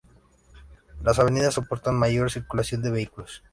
Las avenidas soportan mayor circulación de vehículos.